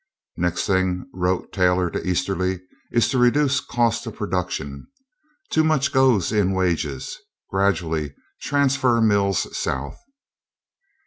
"Next thing," wrote Taylor to Easterly, "is to reduce cost of production. Too much goes in wages. Gradually transfer mills South."